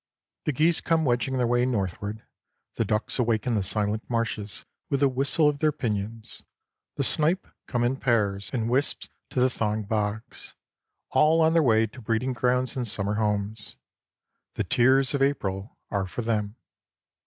The geese come wedging their way northward; the ducks awaken the silent marshes with the whistle of their pinions; the snipe come in pairs and wisps to the thawing bogs all on their way to breeding grounds and summer homes. The tears of April are for them.